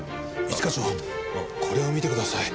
一課長これを見てください。